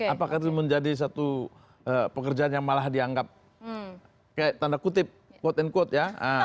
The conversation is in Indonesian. apakah itu menjadi satu pekerjaan yang malah dianggap kayak tanda kutip quote and quote ya